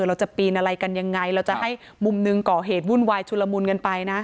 เราจะปีนอะไรกันยังไงเราจะให้มุมหนึ่งก่อเหตุวุ่นวายชุลมุนกันไปนะ